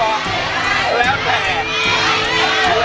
แล้วแผ่